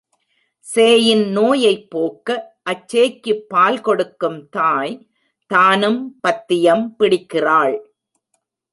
சேயின் நோயைப் போக்க, அச்சேய்க்குப் பால் கொடுக்கும் தாய் தானும் பத்தியம் பிடிக்கிறாள்.